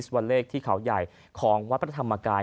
วันเลขที่เขาใหญ่ของวัดพระธรรมกาย